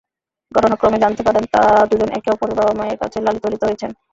ঘটনাক্রমে জানতে পারেন, তাঁরা দুজন একে অপরের বাবা-মায়ের কাছে লালিতপালিত হয়েছেন।